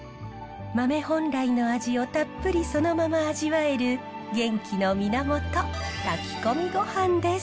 豆本来の味をたっぷりそのまま味わえる元気の源炊き込みごはんです。